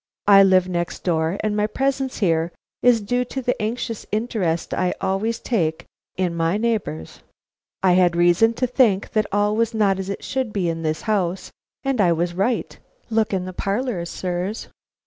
"I live next door and my presence here is due to the anxious interest I always take in my neighbors. I had reason to think that all was not as it should be in this house, and I was right. Look in the parlor, sirs."